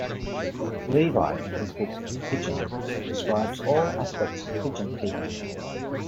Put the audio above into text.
Levi in his book "The Pigeon" describes all aspects of pigeon keeping.